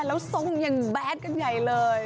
แล้วช่องยังแบสกันไงเลย